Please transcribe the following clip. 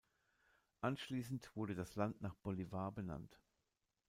Anschließend wurde das Land nach Bolívar benannt.